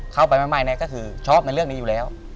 เข้าไปใหม่ก็คือชอบในเรื่องนี้อยู่แล้ว